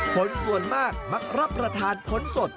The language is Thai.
คนส่วนมากมักรับประทานผลสด